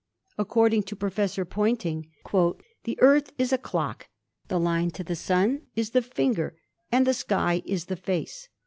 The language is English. According to Professor Poynting, "The Earth is a clock, the line to the Sun is the finger and the sky is the face.